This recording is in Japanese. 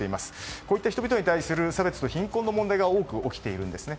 こうした人々に対する差別と貧困の問題が多く起きているんですね。